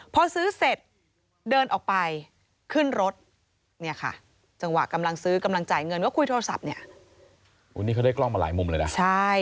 พอซื้อเสร็จเดินออกไปขึ้นรถเนี่ยค่ะจังหวะกำลังซื้อกำลังจ่ายเงินก็คุยโทรศัพท์เนี่ย